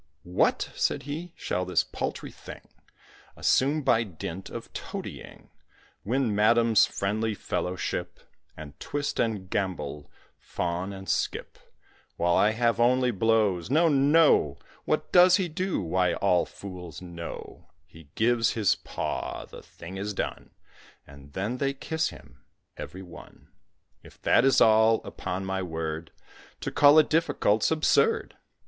"What!" said he, "shall this paltry thing Assume by dint of toadying, Win Madam's friendly fellowship, And twist and gambol, fawn and skip, While I have only blows? no, no! What does he do? why, all fools know He gives his paw; the thing is done, And then they kiss him every one. If that is all, upon my word, To call it difficult 's absurd."